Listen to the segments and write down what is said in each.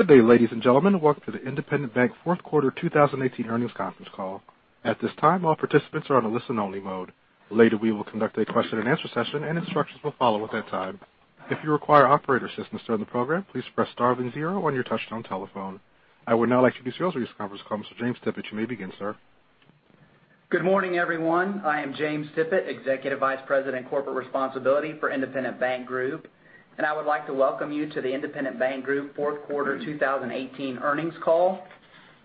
Good day, ladies and gentlemen. Welcome to the Independent Bank Fourth Quarter 2018 Earnings Conference Call. At this time, all participants are on a listen-only mode. Later, we will conduct a question-and-answer session, and instructions will follow at that time. If you require operator assistance during the program, please press star then zero on your touch-tone telephone. I would now like to introduce the conference call. Mr. James Tippit, you may begin, sir. Good morning, everyone. I am James Tippit, Executive Vice President, corporate responsibility for Independent Bank Group. I would like to welcome you to the Independent Bank Group fourth quarter 2018 earnings call.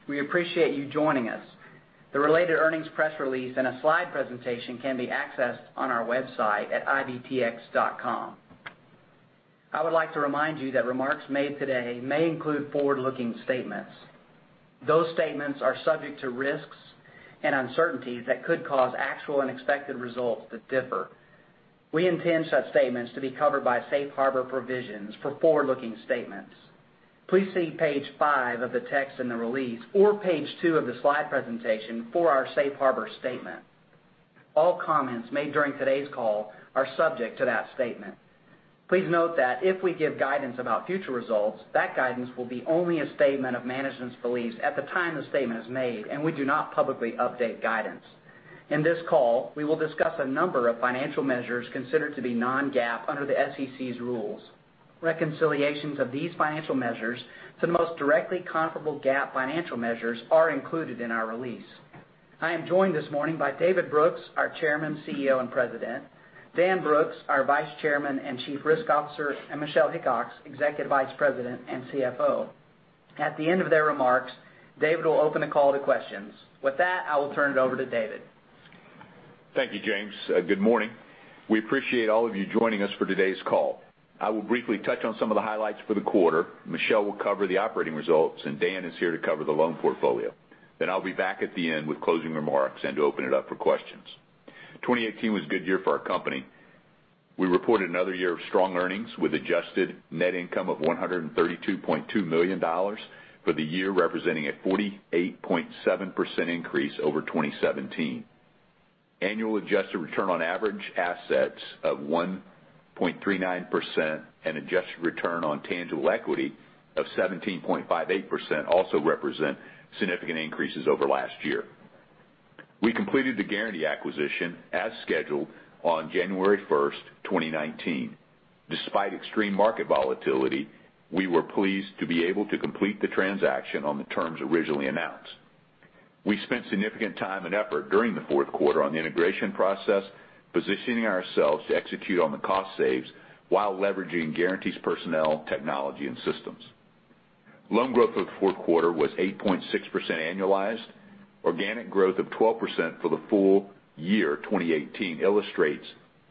We appreciate you joining us. The related earnings press release and a slide presentation can be accessed on our website at ibtx.com. I would like to remind you that remarks made today may include forward-looking statements. Those statements are subject to risks and uncertainties that could cause actual and expected results to differ. We intend such statements to be covered by safe harbor provisions for forward-looking statements. Please see page five of the text in the release, or page two of the slide presentation for our safe harbor statement. All comments made during today's call are subject to that statement. Please note that if we give guidance about future results, that guidance will be only a statement of management's beliefs at the time the statement is made. We do not publicly update guidance. In this call, we will discuss a number of financial measures considered to be non-GAAP under the SEC's rules. Reconciliations of these financial measures to the most directly comparable GAAP financial measures are included in our release. I am joined this morning by David Brooks, our Chairman, CEO, and President, Dan Brooks, our Vice Chairman and Chief Risk Officer, and Michelle Hickox, Executive Vice President and CFO. At the end of their remarks, David will open the call to questions. With that, I will turn it over to David. Thank you, James. Good morning. We appreciate all of you joining us for today's call. I will briefly touch on some of the highlights for the quarter. Michelle will cover the operating results. Dan is here to cover the loan portfolio. I'll be back at the end with closing remarks and to open it up for questions. 2018 was a good year for our company. We reported another year of strong earnings with adjusted net income of $132.2 million for the year, representing a 48.7% increase over 2017. Annual adjusted return on average assets of 1.39% and adjusted return on tangible equity of 17.58% also represent significant increases over last year. We completed the Guaranty acquisition as scheduled on January 1st, 2019. Despite extreme market volatility, we were pleased to be able to complete the transaction on the terms originally announced. We spent significant time and effort during the fourth quarter on the integration process, positioning ourselves to execute on the cost saves while leveraging Guaranty's personnel, technology, and systems. Loan growth for the fourth quarter was 8.6% annualized. Organic growth of 12% for the full year 2018 illustrates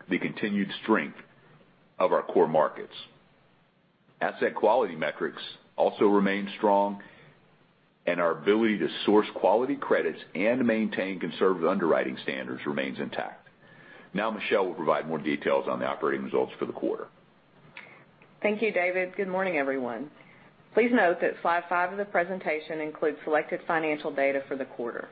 the continued strength of our core markets. Asset quality metrics also remain strong, and our ability to source quality credits and maintain conservative underwriting standards remains intact. Now Michelle Hickox will provide more details on the operating results for the quarter. Thank you, David Brooks. Good morning, everyone. Please note that slide five of the presentation includes selected financial data for the quarter.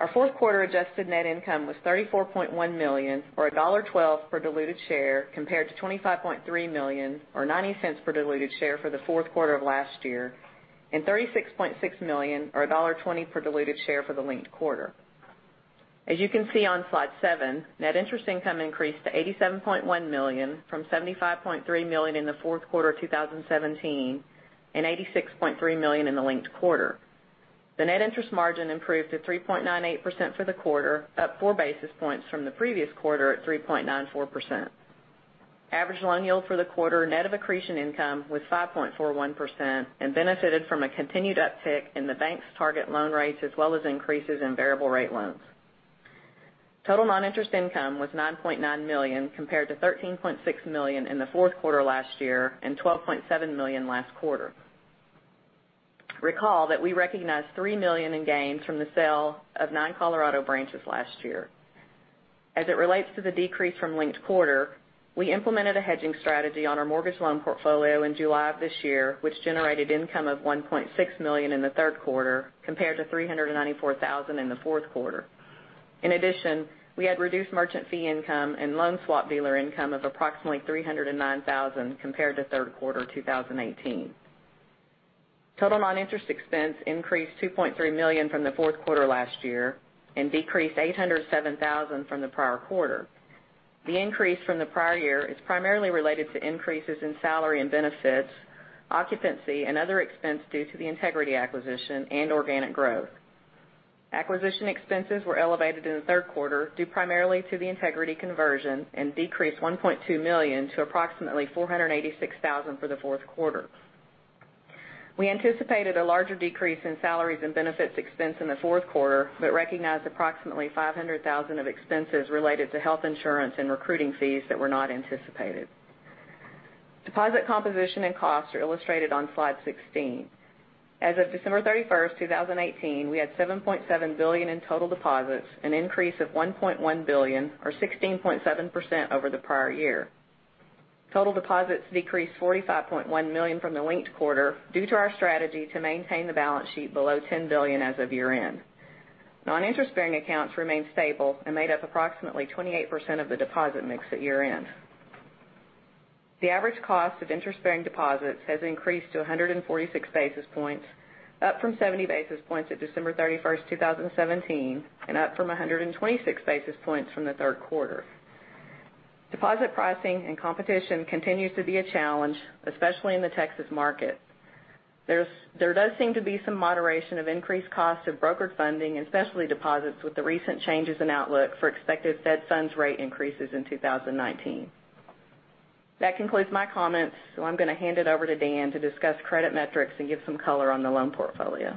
Our fourth quarter adjusted net income was $34.1 million, or $1.12 per diluted share, compared to $25.3 million, or $0.90 per diluted share for the fourth quarter of last year, and $36.6 million, or $1.20 per diluted share for the linked quarter. As you can see on slide seven, net interest income increased to $87.1 million from $75.3 million in the fourth quarter of 2017, and $86.3 million in the linked quarter. The net interest margin improved to 3.98% for the quarter, up four basis points from the previous quarter at 3.94%. Average loan yield for the quarter, net of accretion income, was 5.41% and benefited from a continued uptick in the bank's target loan rates as well as increases in variable rate loans. Total non-interest income was $9.9 million, compared to $13.6 million in the fourth quarter last year and $12.7 million last quarter. Recall that we recognized $3 million in gains from the sale of nine Colorado branches last year. As it relates to the decrease from linked quarter, we implemented a hedging strategy on our mortgage loan portfolio in July of this year, which generated income of $1.6 million in the third quarter compared to $394,000 in the fourth quarter. We had reduced merchant fee income and loan swap dealer income of approximately $309,000 compared to third quarter 2018. Total non-interest expense increased $2.3 million from the fourth quarter last year and decreased $807,000 from the prior quarter. The increase from the prior year is primarily related to increases in salary and benefits, occupancy, and other expense due to the Integrity acquisition and organic growth. Acquisition expenses were elevated in the third quarter due primarily to the Integrity conversion and decreased $1.2 million to approximately $486,000 for the fourth quarter. We anticipated a larger decrease in salaries and benefits expense in the fourth quarter but recognized approximately $500,000 of expenses related to health insurance and recruiting fees that were not anticipated. Deposit composition and costs are illustrated on slide 16. As of December 31st, 2018, we had $7.7 billion in total deposits, an increase of $1.1 billion, or 16.7%, over the prior year. Total deposits decreased $45.1 million from the linked quarter due to our strategy to maintain the balance sheet below $10 billion as of year-end. Non-interest-bearing accounts remained stable and made up approximately 28% of the deposit mix at year-end. The average cost of interest-bearing deposits has increased to 146 basis points, up from 70 basis points at December 31st, 2017, and up from 126 basis points from the third quarter. Deposit pricing and competition continues to be a challenge, especially in the Texas market. There does seem to be some moderation of increased cost of brokered funding, especially deposits with the recent changes in outlook for expected Fed funds rate increases in 2019. That concludes my comments. I'm going to hand it over to Dan to discuss credit metrics and give some color on the loan portfolio.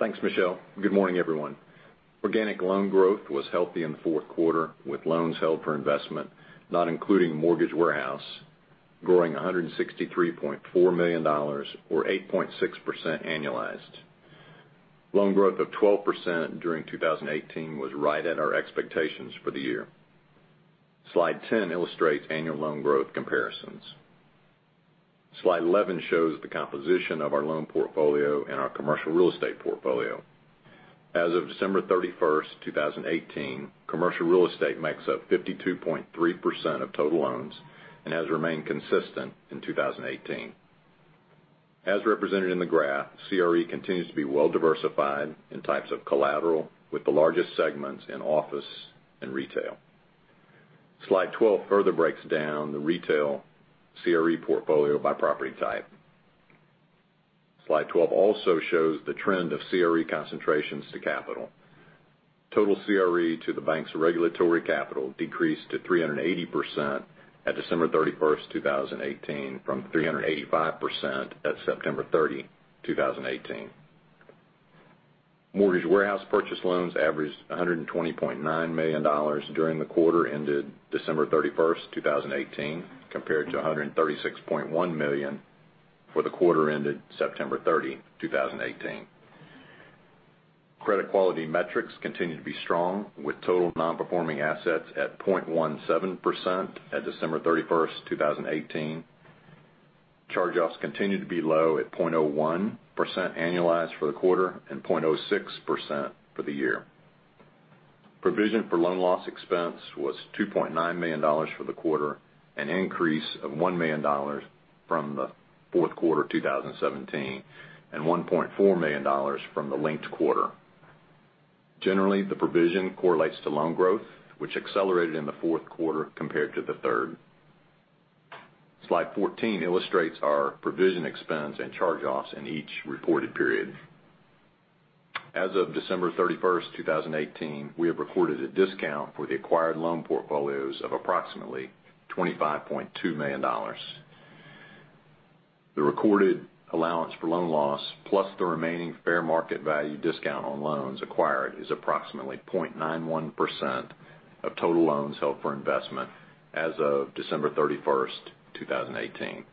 Thanks, Michelle. Good morning, everyone. Organic loan growth was healthy in the fourth quarter, with loans held for investment, not including mortgage warehouse, growing $163.4 million, or 8.6% annualized. Loan growth of 12% during 2018 was right at our expectations for the year. Slide 10 illustrates annual loan growth comparisons. Slide 11 shows the composition of our loan portfolio and our commercial real estate portfolio. As of December 31st, 2018, commercial real estate makes up 52.3% of total loans and has remained consistent in 2018. As represented in the graph, CRE continues to be well-diversified in types of collateral, with the largest segments in office and retail. Slide 12 further breaks down the retail CRE portfolio by property type. Slide 12 also shows the trend of CRE concentrations to capital. Total CRE to the bank's regulatory capital decreased to 380% at December 31st, 2018, from 385% at September 30, 2018. Mortgage warehouse purchase loans averaged $120.9 million during the quarter ended December 31st, 2018, compared to $136.1 million for the quarter ended September 30, 2018. Credit quality metrics continue to be strong, with total non-performing assets at 0.17% at December 31st, 2018. Charge-offs continue to be low at 0.01% annualized for the quarter and 0.06% for the year. Provision for loan loss expense was $2.9 million for the quarter, an increase of $1 million from the fourth quarter 2017, and $1.4 million from the linked quarter. Generally, the provision correlates to loan growth, which accelerated in the fourth quarter compared to the third. Slide 14 illustrates our provision expense and charge-offs in each reported period. As of December 31st, 2018, we have recorded a discount for the acquired loan portfolios of approximately $25.2 million. The recorded allowance for loan loss, plus the remaining fair market value discount on loans acquired, is approximately 0.91% of total loans held for investment as of December 31st, 2018.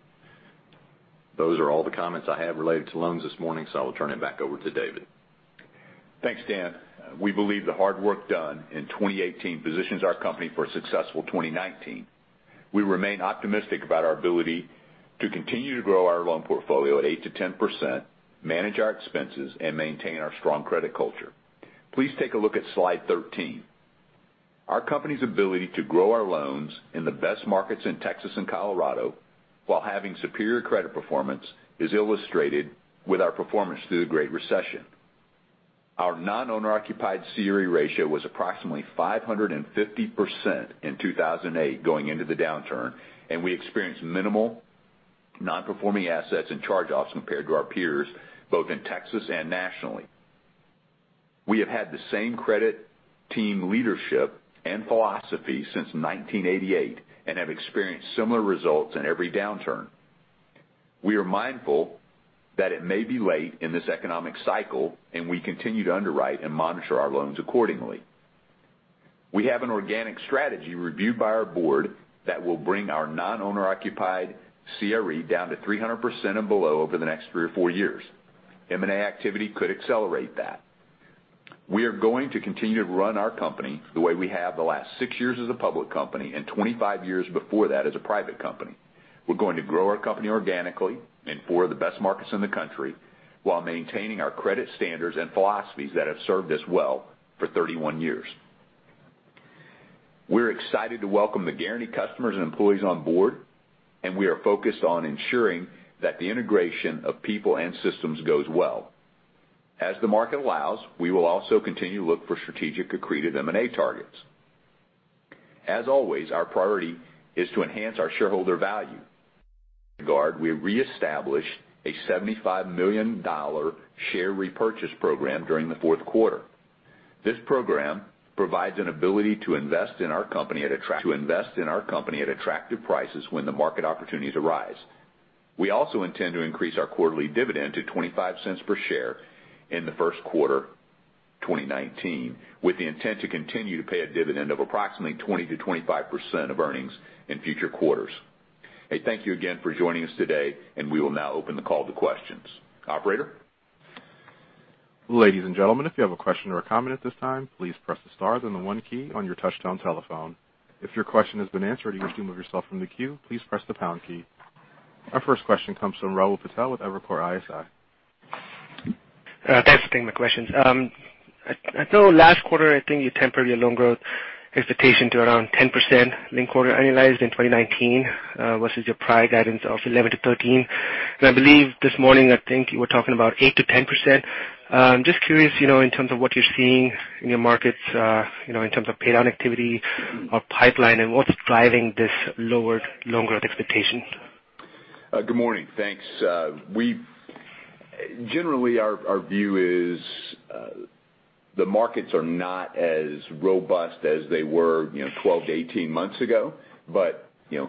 Those are all the comments I have related to loans this morning. I will turn it back over to David. Thanks, Dan. We believe the hard work done in 2018 positions our company for a successful 2019. We remain optimistic about our ability to continue to grow our loan portfolio at 8%-10%, manage our expenses, and maintain our strong credit culture. Please take a look at slide 13. Our company's ability to grow our loans in the best markets in Texas and Colorado while having superior credit performance is illustrated with our performance through the Great Recession. Our non-owner-occupied CRE ratio was approximately 550% in 2008 going into the downturn, and we experienced minimal non-performing assets and charge-offs compared to our peers, both in Texas and nationally. We have had the same credit team leadership and philosophy since 1988 and have experienced similar results in every downturn. We are mindful that it may be late in this economic cycle. We continue to underwrite and monitor our loans accordingly. We have an organic strategy reviewed by our board that will bring our non-owner-occupied CRE down to 300% and below over the next three or four years. M&A activity could accelerate that. We are going to continue to run our company the way we have the last six years as a public company and 25 years before that as a private company. We're going to grow our company organically in four of the best markets in the country while maintaining our credit standards and philosophies that have served us well for 31 years. We're excited to welcome the Guaranty customers and employees on board. We are focused on ensuring that the integration of people and systems goes well. As the market allows, we will also continue to look for strategic accretive M&A targets. As always, our priority is to enhance our shareholder value. In that regard, we re-established a $75 million share repurchase program during the fourth quarter. This program provides an ability to invest in our company at attractive prices when the market opportunities arise. We also intend to increase our quarterly dividend to $0.25 per share in the first quarter 2019, with the intent to continue to pay a dividend of approximately 20%-25% of earnings in future quarters. Hey, thank you again for joining us today. We will now open the call to questions. Operator? Ladies and gentlemen, if you have a question or a comment at this time, please press the star then the one key on your touchtone telephone. If your question has been answered or you wish to remove yourself from the queue, please press the pound key. Our first question comes from Rahul Patel with Evercore ISI. Thanks for taking my questions. I know last quarter, I think you tempered your loan growth expectation to around 10% link quarter annualized in 2019, versus your prior guidance of 11%-13%. I believe this morning, I think you were talking about 8%-10%. Just curious, in terms of what you're seeing in your markets, in terms of paydown activity or pipeline, and what's driving this lowered loan growth expectation? Good morning. Thanks. Generally, our view is the markets are not as robust as they were 12-18 months ago.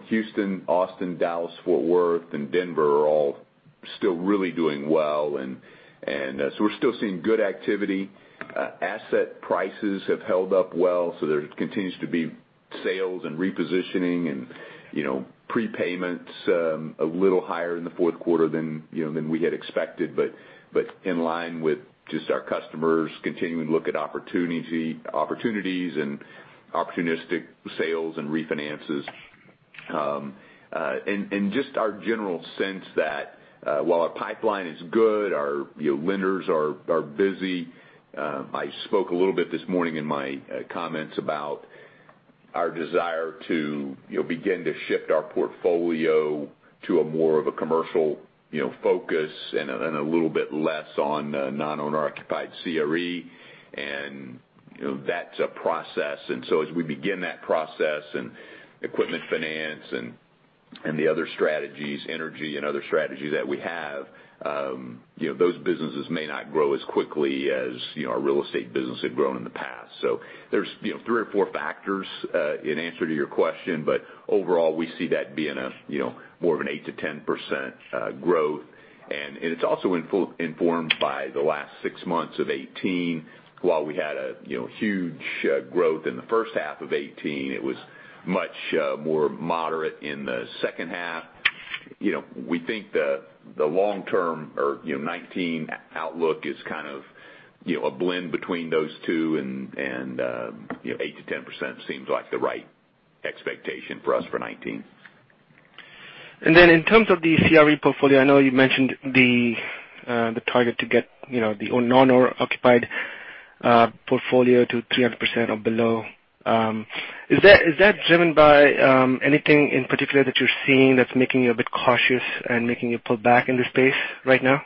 Houston, Austin, Dallas, Fort Worth, and Denver are all still really doing well. We're still seeing good activity. Asset prices have held up well, so there continues to be sales and repositioning and prepayments a little higher in the fourth quarter than we had expected, but in line with just our customers continuing to look at opportunities and opportunistic sales and refinances. Just our general sense that while our pipeline is good, our lenders are busy. I spoke a little bit this morning in my comments about our desire to begin to shift our portfolio to a more of a commercial focus and a little bit less on non-owner occupied CRE. That's a process. As we begin that process and equipment finance and the other strategies, energy and other strategies that we have, those businesses may not grow as quickly as our real estate business had grown in the past. There's three or four factors in answer to your question, but overall, we see that being more of an 8%-10% growth. It's also informed by the last six months of 2018. While we had a huge growth in the first half of 2018, it was much more moderate in the second half. We think the long term or 2019 outlook is kind of a blend between those two, and 8%-10% seems like the right expectation for us for 2019. In terms of the CRE portfolio, I know you mentioned the target to get the non-owner occupied portfolio to 300% or below. Is that driven by anything in particular that you're seeing that's making you a bit cautious and making you pull back in this space right now?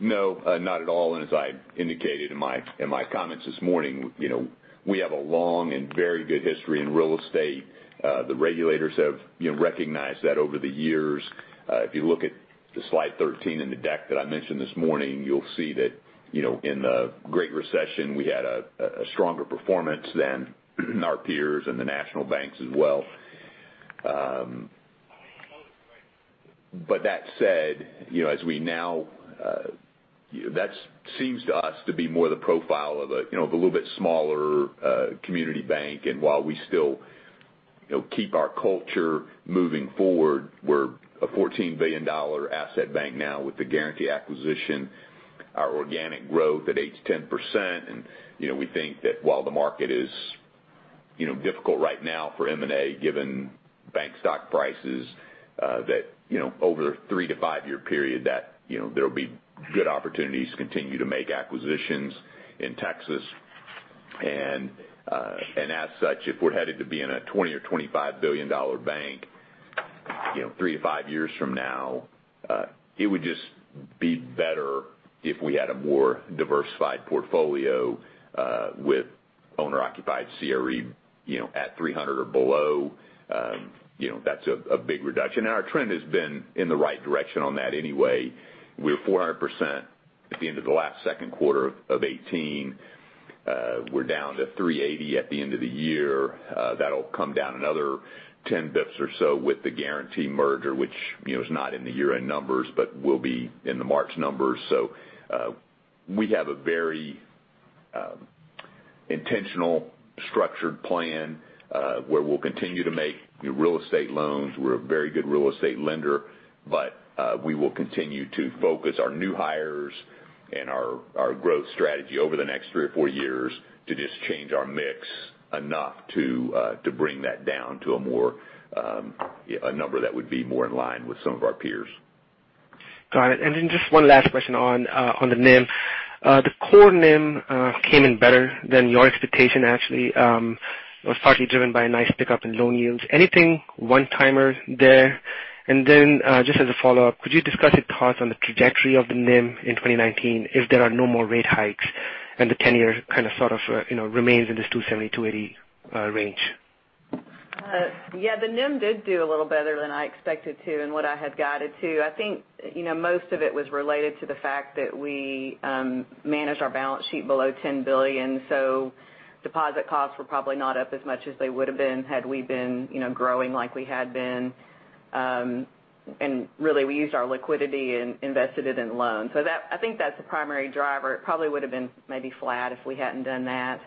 No, not at all. As I indicated in my comments this morning, we have a long and very good history in real estate. The regulators have recognized that over the years. If you look at the slide 13 in the deck that I mentioned this morning, you'll see that in the Great Recession, we had a stronger performance than our peers and the national banks as well. That said, that seems to us to be more the profile of a little bit smaller community bank. While we still keep our culture moving forward, we're a $14 billion asset bank now with the Guaranty acquisition. Our organic growth at 8%-10%, and we think that while the market is difficult right now for M&A, given bank stock prices, that over a three to five-year period, there'll be good opportunities to continue to make acquisitions in Texas. As such, if we're headed to being a $20 or $25 billion bank three to five years from now, it would just be better if we had a more diversified portfolio with owner-occupied CRE at 300 or below. That's a big reduction. Our trend has been in the right direction on that anyway. We're 400% at the end of the last second quarter of 2018. We're down to 380 at the end of the year. That'll come down another 10 basis points or so with the Guaranty merger, which is not in the year-end numbers, but will be in the March numbers. We have a very intentional structured plan, where we'll continue to make real estate loans. We're a very good real estate lender, we will continue to focus our new hires and our growth strategy over the next three or four years to just change our mix enough to bring that down to a number that would be more in line with some of our peers. Got it. Just one last question on the NIM. The core NIM came in better than your expectation, actually. It was partly driven by a nice pickup in loan yields. Anything one-timer there? Just as a follow-up, could you discuss your thoughts on the trajectory of the NIM in 2019 if there are no more rate hikes and the 10-year kind of sort of remains in this 270, 280 range? Yeah, the NIM did do a little better than I expected to and what I had guided to. I think most of it was related to the fact that we managed our balance sheet below $10 billion. Deposit costs were probably not up as much as they would have been had we been growing like we had been. Really, we used our liquidity and invested it in loans. I think that's the primary driver. It probably would've been maybe flat if we hadn't done that.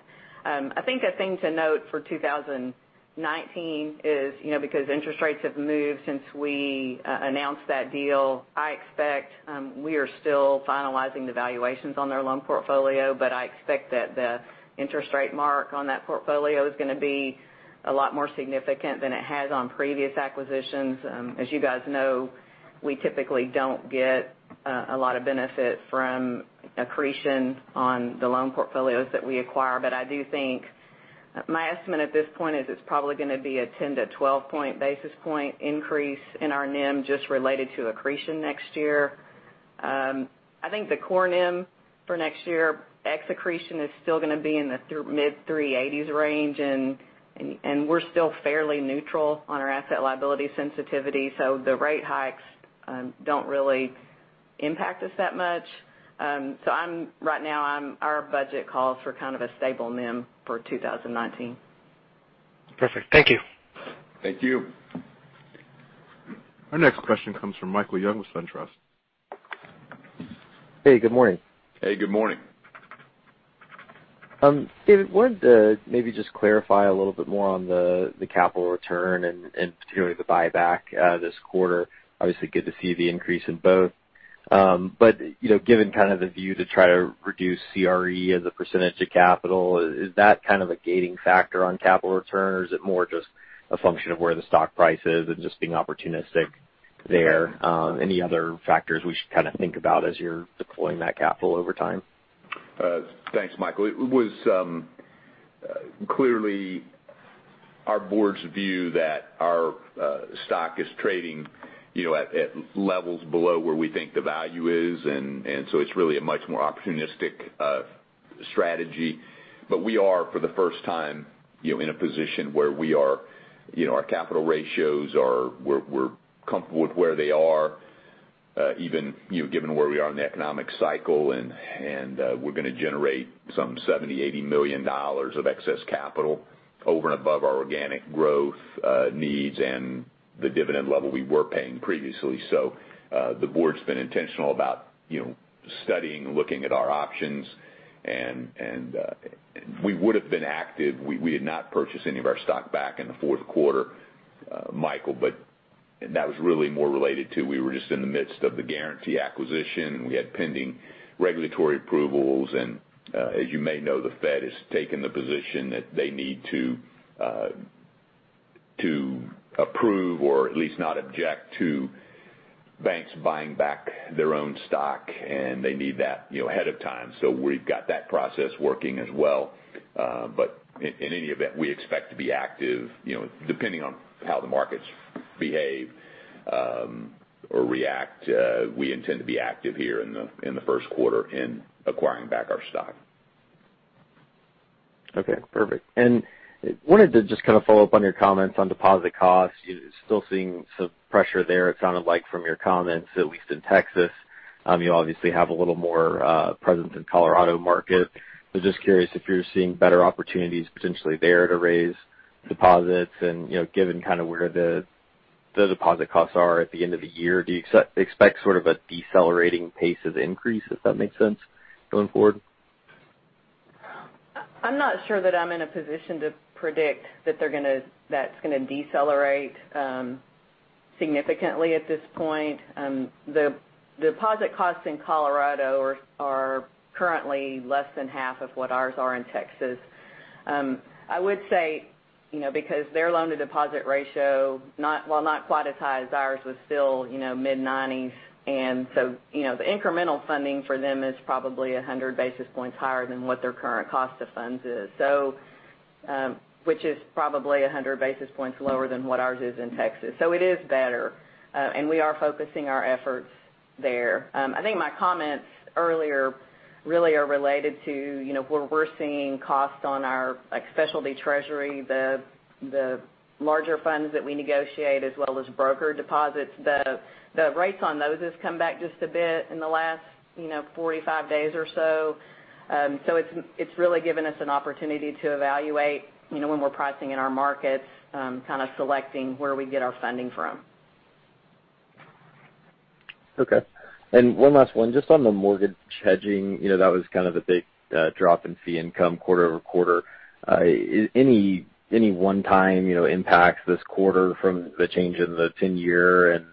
I think a thing to note for 2019 is because interest rates have moved since we announced that deal, I expect. We are still finalizing the valuations on their loan portfolio, but I expect that the interest rate mark on that portfolio is going to be a lot more significant than it has on previous acquisitions. As you guys know, we typically don't get a lot of benefit from accretion on the loan portfolios that we acquire. My estimate at this point is it's probably going to be a 10 to 12-point basis point increase in our NIM just related to accretion next year. I think the core NIM for next year, ex accretion, is still going to be in the mid 380s range. We're still fairly neutral on our asset liability sensitivity, the rate hikes don't really impact us that much. Right now, our budget calls for kind of a stable NIM for 2019. Perfect. Thank you. Thank you. Our next question comes from Michael Young with SunTrust. Hey, good morning. Hey, good morning. David, wanted to maybe just clarify a little bit more on the capital return and particularly the buyback this quarter. Obviously, good to see the increase in both. Given kind of the view to try to reduce CRE as a percentage of capital, is that kind of a gating factor on capital return, or is it more just a function of where the stock price is and just being opportunistic there? Any other factors we should kind of think about as you're deploying that capital over time? Thanks, Michael. It was clearly our board's view that our stock is trading at levels below where we think the value is. It's really a much more opportunistic strategy. We are, for the first time, in a position where our capital ratios, we're comfortable with where they are. Even given where we are in the economic cycle, we're going to generate some $70 million, $80 million of excess capital over and above our organic growth needs and the dividend level we were paying previously. The board's been intentional about studying and looking at our options. We would've been active. We had not purchased any of our stock back in the fourth quarter, Michael. That was really more related to, we were just in the midst of the Guaranty acquisition. We had pending regulatory approvals. As you may know, the Fed has taken the position that they need to approve or at least not object to banks buying back their own stock. They need that ahead of time. We've got that process working as well. In any event, we expect to be active. Depending on how the markets behave or react, we intend to be active here in the first quarter in acquiring back our stock. Okay, perfect. Wanted to just kind of follow up on your comments on deposit costs. Still seeing some pressure there, it sounded like, from your comments, at least in Texas. You obviously have a little more presence in Colorado market. I was just curious if you're seeing better opportunities potentially there to raise deposits and given kind of where the deposit costs are at the end of the year. Do you expect sort of a decelerating pace of increase, if that makes sense, going forward? I'm not sure that I'm in a position to predict that that's going to decelerate significantly at this point. The deposit costs in Colorado are currently less than half of what ours are in Texas. I would say because their loan-to-deposit ratio, while not quite as high as ours, was still mid-90s. So, the incremental funding for them is probably 100 basis points higher than what their current cost of funds is. Which is probably 100 basis points lower than what ours is in Texas. It is better. We are focusing our efforts there. I think my comments earlier really are related to where we're seeing costs on our specialty treasury, the larger funds that we negotiate, as well as broker deposits. The rates on those has come back just a bit in the last 45 days or so. It's really given us an opportunity to evaluate when we're pricing in our markets, kind of selecting where we get our funding from. Okay. One last one. Just on the mortgage hedging, that was kind of the big drop in fee income quarter-over-quarter. Any one-time impacts this quarter from the change in the 10-year and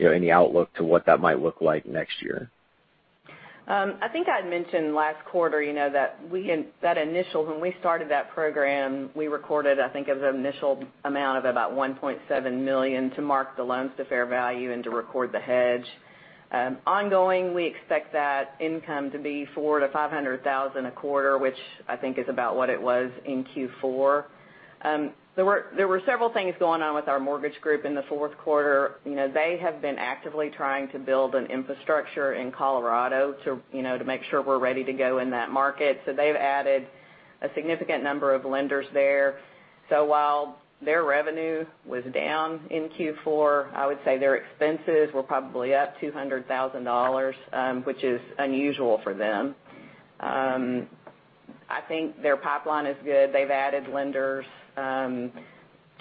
any outlook to what that might look like next year? I think I'd mentioned last quarter that initial, when we started that program, we recorded, I think, as an initial amount of about $1.7 million to mark the loans to fair value and to record the hedge. Ongoing, we expect that income to be $400,000-$500,000 a quarter, which I think is about what it was in Q4. There were several things going on with our mortgage group in the fourth quarter. They have been actively trying to build an infrastructure in Colorado to make sure we're ready to go in that market. They've added a significant number of lenders there. While their revenue was down in Q4, I would say their expenses were probably up $200,000, which is unusual for them. I think their pipeline is good. They've added lenders. Q1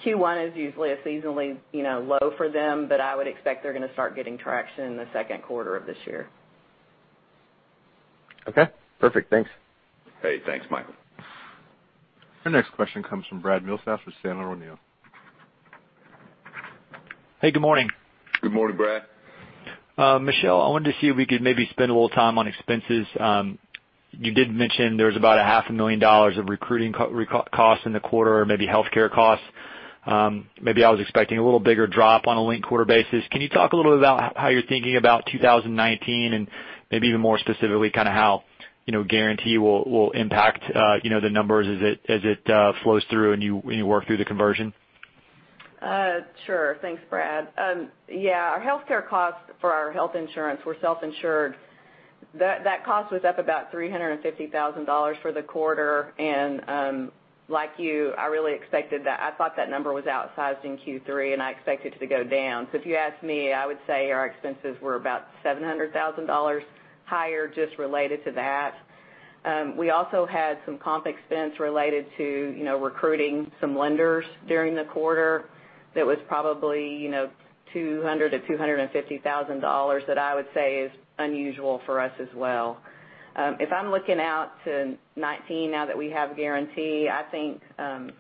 is usually a seasonally low for them, but I would expect they're going to start getting traction in the second quarter of this year. Okay, perfect. Thanks. Hey, thanks, Michael. Our next question comes from Brad Milsaps with Sandler O'Neill. Hey, good morning. Good morning, Brad. Michelle, I wanted to see if we could maybe spend a little time on expenses. You did mention there was about a $500,000 of recruiting costs in the quarter, maybe healthcare costs. Maybe I was expecting a little bigger drop on a linked quarter basis. Can you talk a little bit about how you're thinking about 2019 and maybe even more specifically, kind of how Guaranty will impact the numbers as it flows through and you work through the conversion? Sure. Thanks, Brad. Yeah. Our healthcare costs for our health insurance, we're self-insured. That cost was up about $350,000 for the quarter. Like you, I really expected that. I thought that number was outsized in Q3. I expect it to go down. If you ask me, I would say our expenses were about $700,000 higher just related to that. We also had some comp expense related to recruiting some lenders during the quarter. That was probably $200,000-$250,000 that I would say is unusual for us as well. If I'm looking out to 2019, now that we have Guaranty, I think,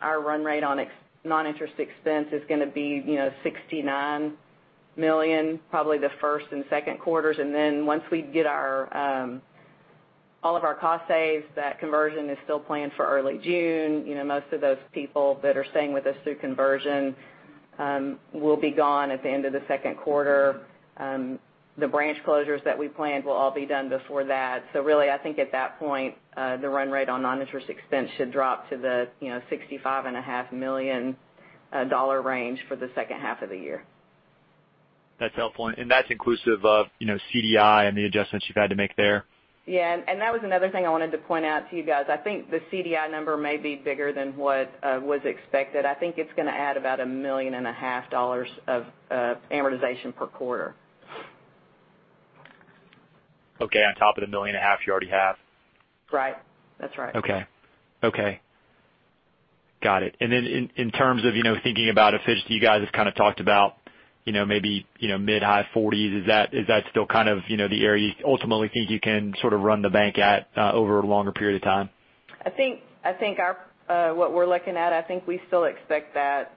our run rate on non-interest expense is going to be $69 million, probably the first and second quarters. Once we get all of our cost saves, that conversion is still planned for early June. Most of those people that are staying with us through conversion will be gone at the end of the second quarter. The branch closures that we planned will all be done before that. Really, I think at that point, the run rate on non-interest expense should drop to the $65.5 million range for the second half of the year. That's helpful. That's inclusive of CDI and the adjustments you've had to make there? Yeah. That was another thing I wanted to point out to you guys. I think the CDI number may be bigger than what was expected. I think it's going to add about a million and a half dollars of amortization per quarter. Okay. On top of the million and a half you already have. Right. That's right. Okay. Got it. Then in terms of thinking about efficiency, you guys have kind of talked about maybe mid-high 40s. Is that still kind of the area you ultimately think you can sort of run the bank at, over a longer period of time? I think what we're looking at, I think we still expect that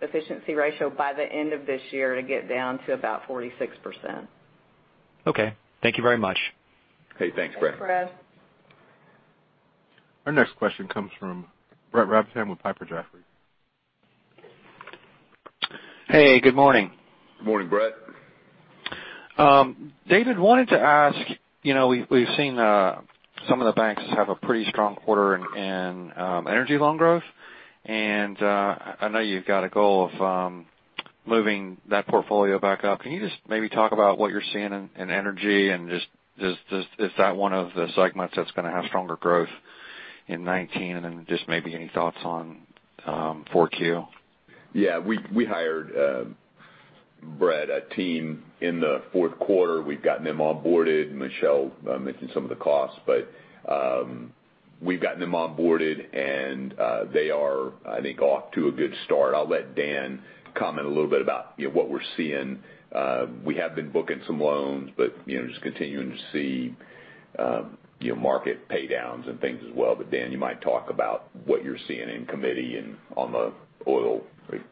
efficiency ratio by the end of this year to get down to about 46%. Okay. Thank you very much. Hey, thanks, Brad. Thanks, Brad. Our next question comes from Brett Rabatin with Piper Jaffray. Hey, good morning. Good morning, Brett. David, wanted to ask, we've seen some of the banks have a pretty strong quarter in energy loan growth. I know you've got a goal of moving that portfolio back up. Can you just maybe talk about what you're seeing in energy and just, is that one of the segments that's going to have stronger growth in 2019? Then just maybe any thoughts on 4Q. Yeah. We hired, Brett, a team in the fourth quarter. We've gotten them onboarded. Michelle mentioned some of the costs, we've gotten them onboarded, they are, I think, off to a good start. I'll let Dan comment a little bit about what we're seeing. We have been booking some loans, just continuing to see market pay downs and things as well. Dan, you might talk about what you're seeing in committee and on the oil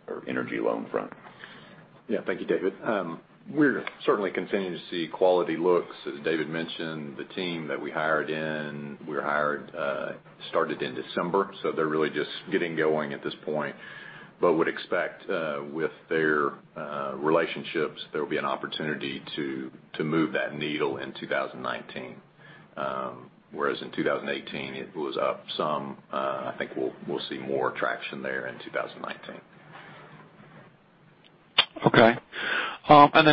or energy loan front. Yeah. Thank you, David. We're certainly continuing to see quality looks. As David mentioned, the team that we hired in, started in December, they're really just getting going at this point. Would expect, with their relationships, there will be an opportunity to move that needle in 2019. Whereas in 2018, it was up some. I think we'll see more traction there in 2019.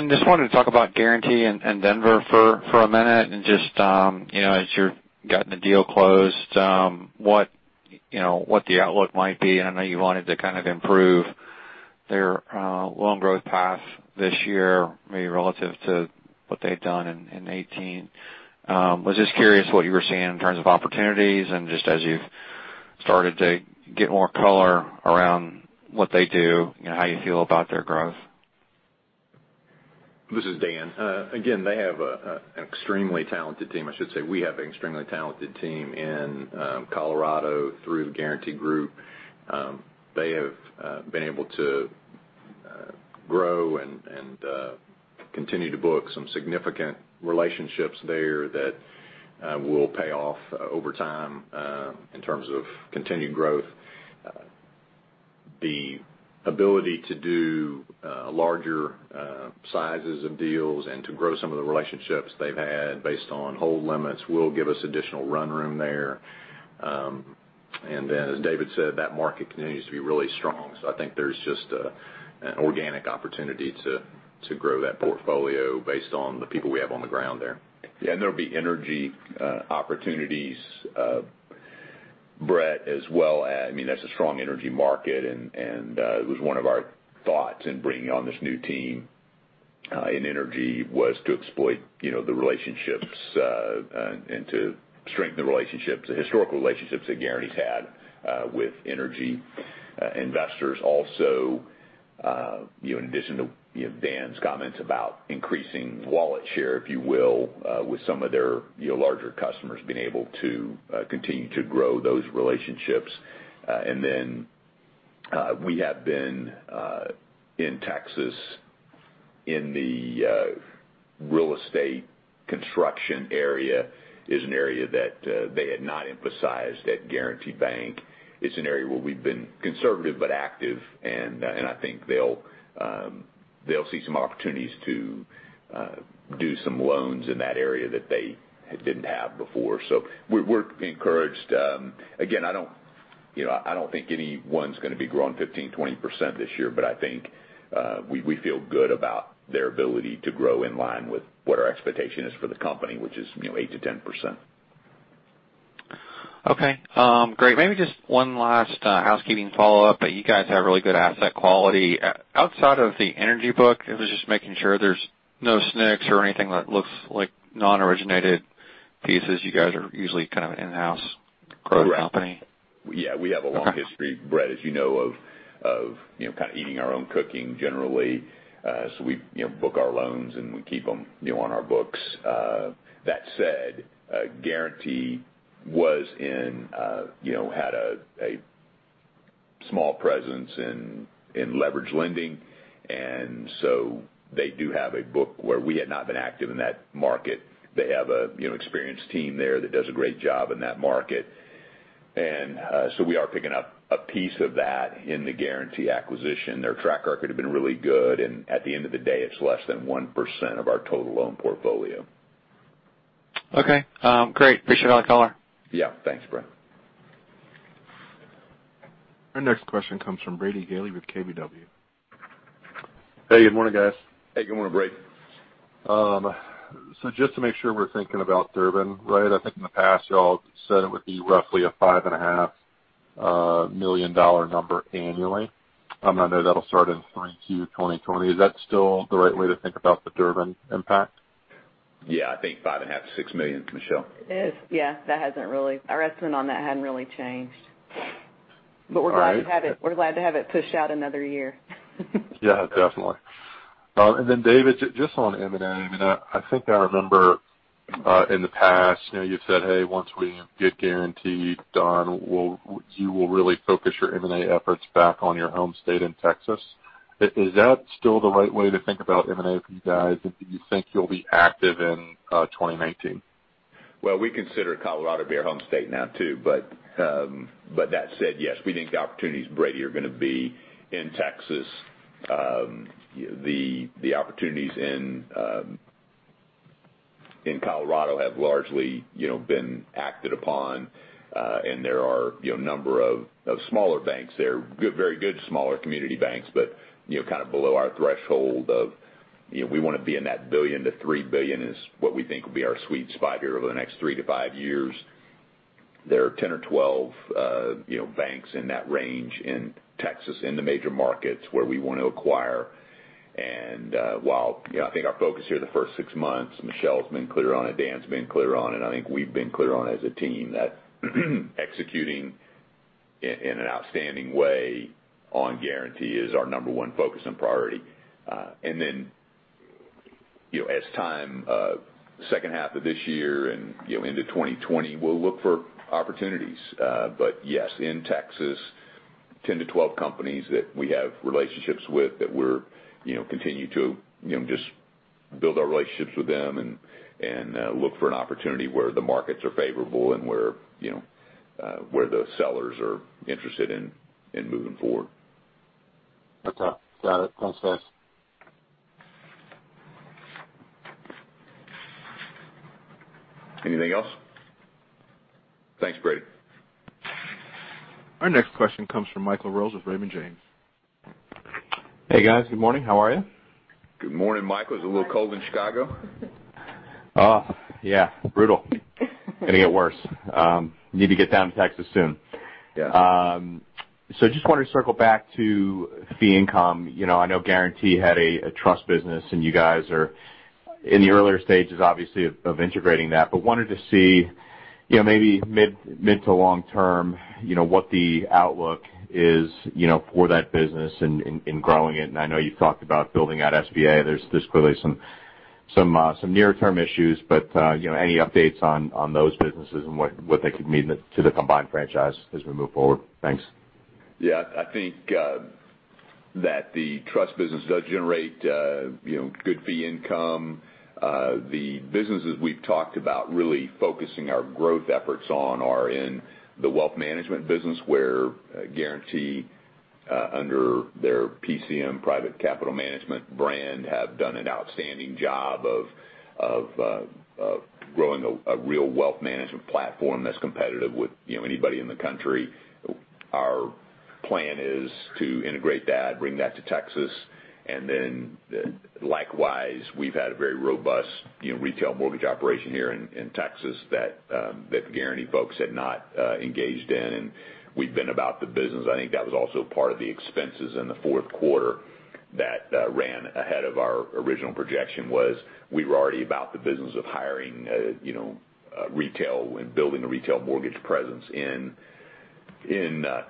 Just wanted to talk about Guaranty and Denver for a minute and just, as you're getting the deal closed, what the outlook might be. I know you wanted to kind of improve their loan growth path this year, maybe relative to what they've done in 2018. Was just curious what you were seeing in terms of opportunities and just as you've started to get more color around what they do and how you feel about their growth. This is Dan. They have an extremely talented team. I should say, we have an extremely talented team in Colorado through the Guaranty Bancorp. They have been able to grow and continue to book some significant relationships there that will pay off over time in terms of continued growth. The ability to do larger sizes of deals and to grow some of the relationships they've had based on hold limits will give us additional run room there. As David said, that market continues to be really strong. I think there's just an organic opportunity to grow that portfolio based on the people we have on the ground there. There'll be energy opportunities, Brett, as well. That's a strong energy market, and it was one of our thoughts in bringing on this new team in energy was to exploit the relationships and to strengthen the relationships, the historical relationships that Guaranty's had with energy investors. Also, in addition to Dan's comments about increasing wallet share, if you will, with some of their larger customers, being able to continue to grow those relationships. We have been in Texas, in the real estate construction area, is an area that they had not emphasized at Guaranty Bank. It's an area where we've been conservative but active, and I think they'll see some opportunities to do some loans in that area that they didn't have before. We're encouraged. I don't think anyone's going to be growing 15%-20% this year, but I think we feel good about their ability to grow in line with what our expectation is for the company, which is 8%-10%. Okay. Great. Maybe just one last housekeeping follow-up. You guys have really good asset quality. Outside of the energy book, I was just making sure there's no SNCs or anything that looks like non-originated pieces. You guys are usually kind of an in-house growth company. Correct. Yeah, we have a long history, Brett, as you know, of kind of eating our own cooking generally. We book our loans, and we keep them on our books. That said, Guaranty had a small presence in leverage lending. They do have a book where we had not been active in that market. They have an experienced team there that does a great job in that market. We are picking up a piece of that in the Guaranty acquisition. Their track record had been really good, and at the end of the day, it's less than 1% of our total loan portfolio. Okay. Great. Appreciate all the color. Yeah. Thanks, Brett. Our next question comes from Brady Gailey with KBW. Hey, good morning, guys. Hey, good morning, Brady. Just to make sure we're thinking about Durbin right. I think in the past, y'all said it would be roughly a $5.5 million number annually. I know that'll start in Q3 2020. Is that still the right way to think about the Durbin impact? Yeah, I think $5.5 million-$6 million. Michelle? It is, yeah. Our estimate on that hadn't really changed. All right. We're glad to have it pushed out another year Definitely. David, just on M&A. I think I remember in the past, you've said, "Hey, once we get Guaranty done, you will really focus your M&A efforts back on your home state in Texas." Is that still the right way to think about M&A for you guys, and do you think you'll be active in 2019? Well, we consider Colorado to be our home state now, too. That said, yes. We think the opportunities, Brady, are going to be in Texas. The opportunities in Colorado have largely been acted upon. There are a number of smaller banks there, very good smaller community banks, but kind of below our threshold. We want to be in that $1 billion-$3 billion is what we think will be our sweet spot here over the next three to five years. There are 10 or 12 banks in that range in Texas, in the major markets where we want to acquire. While I think our focus here the first six months, Michelle's been clear on it, Dan's been clear on it, I think we've been clear on it as a team that executing in an outstanding way on Guaranty is our number 1 focus and priority. As time, second half of this year and into 2020, we'll look for opportunities. Yes, in Texas, 10 to 12 companies that we have relationships with that we'll continue to just build our relationships with them and look for an opportunity where the markets are favorable and where the sellers are interested in moving forward. Okay. Got it. Thanks, guys. Anything else? Thanks, Brady. Our next question comes from Michael Rose with Raymond James. Hey, guys. Good morning. How are you? Good morning, Michael. It's a little cold in Chicago. Oh, yeah. Brutal. Going to get worse. Need to get down to Texas soon. Yeah. Just wanted to circle back to fee income. I know Guaranty had a trust business, and you guys are in the earlier stages, obviously, of integrating that. Wanted to see, maybe mid to long term, what the outlook is for that business and growing it. I know you've talked about building out SBA. There's clearly some near-term issues, but any updates on those businesses and what they could mean to the combined franchise as we move forward? Thanks. Yeah. I think that the trust business does generate good fee income. The businesses we've talked about really focusing our growth efforts on are in the wealth management business, where Guaranty, under their PCM, Private Capital Management brand, have done an outstanding job of growing a real wealth management platform that's competitive with anybody in the country. Our plan is to integrate that, bring that to Texas. Likewise, we've had a very robust retail mortgage operation here in Texas that the Guaranty folks had not engaged in, and we've been about the business. I think that was also part of the expenses in the fourth quarter that ran ahead of our original projection was we were already about the business of hiring retail and building a retail mortgage presence in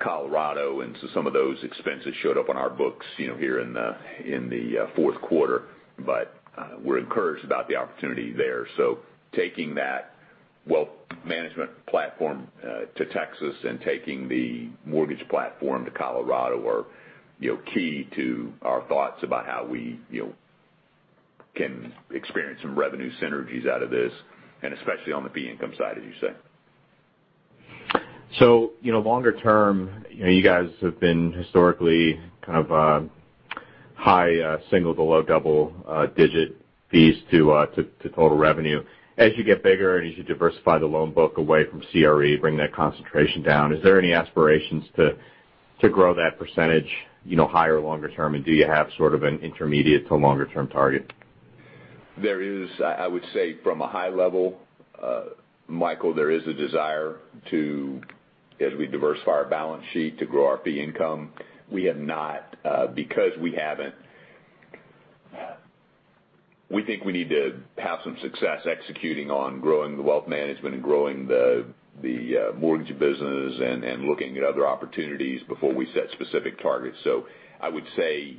Colorado, some of those expenses showed up on our books here in the fourth quarter. We're encouraged about the opportunity there. Taking that wealth management platform to Texas and taking the mortgage platform to Colorado are key to our thoughts about how we can experience some revenue synergies out of this, and especially on the fee income side, as you say. Longer term, you guys have been historically kind of high single to low double-digit fees to total revenue. As you get bigger and as you diversify the loan book away from CRE, bring that concentration down, is there any aspirations to grow that percentage higher longer term? Do you have sort of an intermediate to longer term target? There is. I would say from a high level, Michael, there is a desire to, as we diversify our balance sheet, to grow our fee income. We think we need to have some success executing on growing the wealth management and growing the mortgage business and looking at other opportunities before we set specific targets. I would say,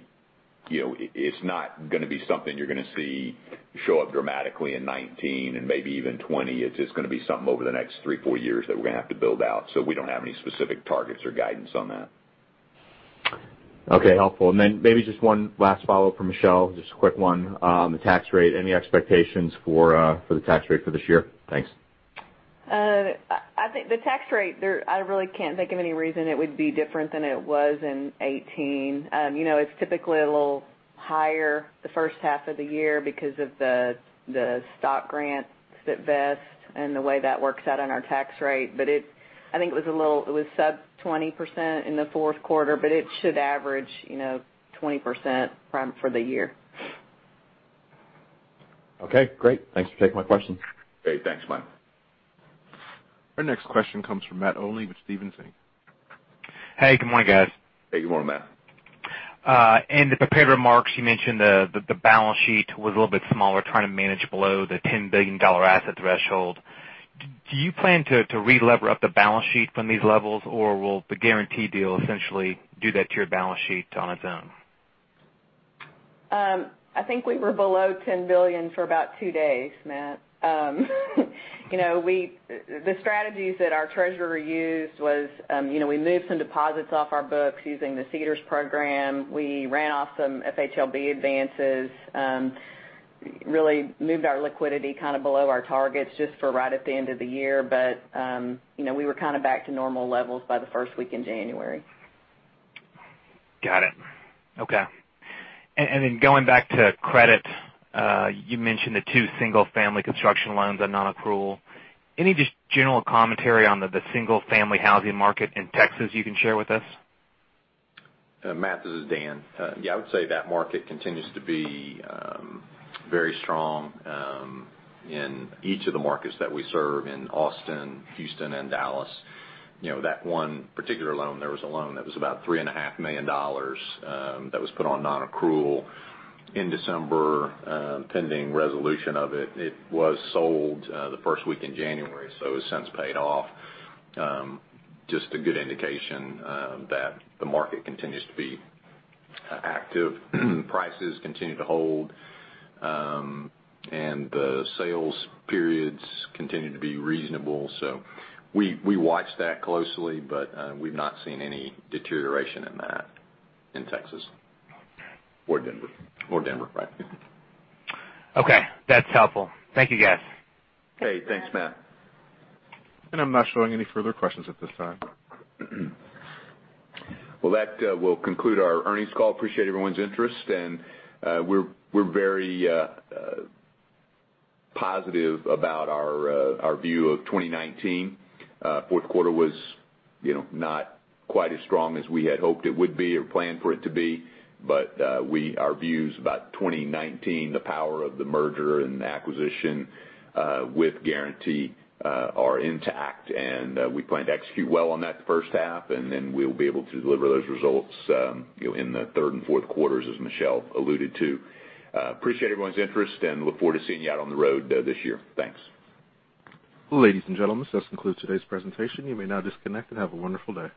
it's not going to be something you're going to see show up dramatically in 2019 and maybe even 2020. It's just going to be something over the next three, four years that we're going to have to build out. We don't have any specific targets or guidance on that. Okay, helpful. Then maybe just one last follow-up for Michelle, just a quick one on the tax rate. Any expectations for the tax rate for this year? Thanks. I think the tax rate, I really can't think of any reason it would be different than it was in 2018. It's typically a little higher the first half of the year because of the stock grants that vest and the way that works out on our tax rate. I think it was sub 20% in the fourth quarter, but it should average 20% for the year. Okay, great. Thanks for taking my question. Okay. Thanks, Michael. Our next question comes from Matt Olney, Stephens Inc. Hey, good morning, guys. Hey, good morning, Matt. In the prepared remarks, you mentioned the balance sheet was a little bit smaller, trying to manage below the $10 billion asset threshold. Do you plan to relever up the balance sheet from these levels? Will the Guaranty deal essentially do that to your balance sheet on its own? I think we were below $10 billion for about two days, Matt. The strategies that our treasurer used was we moved some deposits off our books using the CDARS program. We ran off some FHLB advances, really moved our liquidity kind of below our targets just for right at the end of the year. We were kind of back to normal levels by the first week in January. Got it. Okay. Going back to credit, you mentioned the two single-family construction loans on nonaccrual. Any just general commentary on the single-family housing market in Texas you can share with us? Matt, this is Dan. Yeah, I would say that market continues to be very strong in each of the markets that we serve in Austin, Houston and Dallas. That one particular loan, there was a loan that was about $3.5 million that was put on nonaccrual in December, pending resolution of it. It was sold the first week in January, so it was since paid off. Just a good indication that the market continues to be active, prices continue to hold, and the sales periods continue to be reasonable. We watch that closely, but we've not seen any deterioration in that in Texas. Or Denver. Or Denver, right. Okay. That's helpful. Thank you, guys. Okay. Thanks, Matt. I'm not showing any further questions at this time. Well, that will conclude our earnings call. Appreciate everyone's interest, and we're very positive about our view of 2019. Fourth quarter was not quite as strong as we had hoped it would be or planned for it to be. Our views about 2019, the power of the merger and the acquisition with Guaranty are intact, and we plan to execute well on that the first half, and then we'll be able to deliver those results in the third and fourth quarters, as Michelle alluded to. Appreciate everyone's interest and look forward to seeing you out on the road this year. Thanks. Ladies and gentlemen, this concludes today's presentation. You may now disconnect and have a wonderful day.